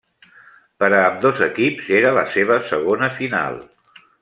Per a ambdós equips era la seva segona final.